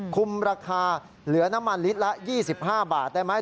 คุมราคาเหลือน้ำมันลิตรละ๒๕บาทได้ไหม